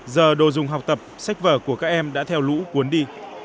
giờ đồ dùng học tập sách vở của các em đã theo lũ cuốn đi